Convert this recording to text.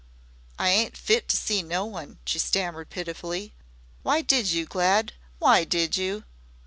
"I ain't fit to to see no one," she stammered pitifully. "Why did you, Glad why did you?"